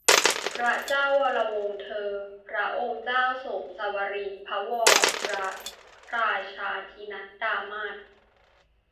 พระเจ้าวรวงศ์เธอ พระองค์เจ้าโสมสวลี พระวรราชาทินัดดามาตุ